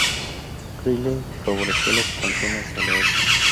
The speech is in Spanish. Greeley favoreció la expansión hacia el oeste.